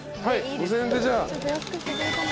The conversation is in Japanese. ５，０００円でじゃあ。